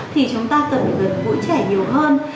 thì chúng ta cần phải phục vụ trẻ nhiều hơn